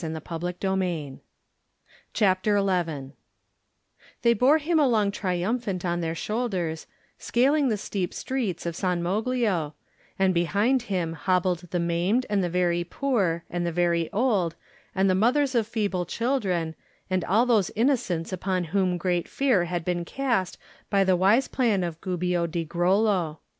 Digitized by Google CHAPTER XI THEY bore him along triumphant on their shoulders, scaling the steep streets of San Moglio, and behind him hobbled the maimed and the very poor, and the very old, and the mothers of feeble children, and all those innocents upon whom great fear had been cast by the wise plan of Gubbio di Grollo.